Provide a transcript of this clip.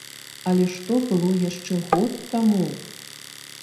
Але што было яшчэ год таму!